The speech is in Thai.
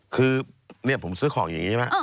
คือเนี่ยผมซื้อของอย่างนี้ใช่ไหม